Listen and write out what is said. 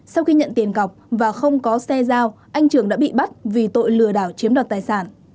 sau khi nhận tiền cọc và không có xe giao anh trường đã bị bắt vì tội lừa đảo chiếm đoạt tài sản